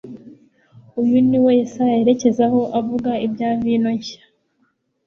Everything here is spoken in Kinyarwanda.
Uyu ni wo Yesaya yerekezaho avuga ibya vino nshya,